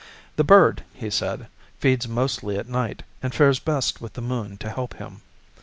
The bird, he said, feeds mostly at night, and fares best with the moon to help him.